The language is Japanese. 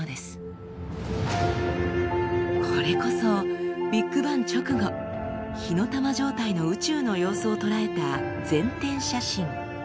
これこそビッグバン直後火の玉状態の宇宙の様子を捉えた全天写真。